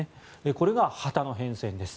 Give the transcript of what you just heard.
これが旗の変遷です。